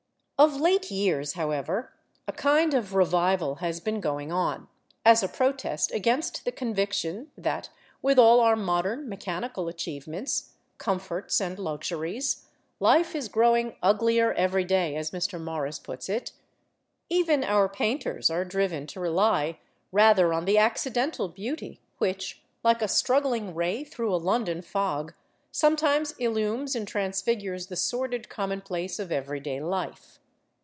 Of late years, however, a kind of revival has been going on, as a protest against the conviction that, with all our modern mechanical achievements, comforts, and luxuries, life is growing "uglier every day," as Mr. Morris puts it. Even our painters are driven to rely rather on the accidental beauty which, like a struggling ray through a London fog, sometimes illumes and transfigures the sordid commonplace of everyday life.